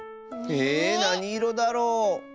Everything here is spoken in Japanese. えなにいろだろ？